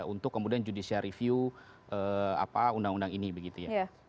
untuk kemudian judicial review undang undang ini